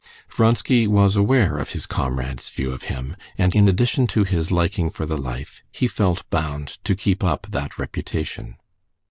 Vronsky was aware of his comrades' view of him, and in addition to his liking for the life, he felt bound to keep up that reputation.